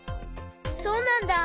そうなんだ。